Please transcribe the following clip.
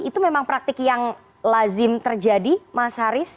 itu memang praktik yang lazim terjadi mas haris